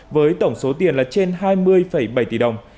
với tổng số tiền là trên hai mươi bảy tỷ đồng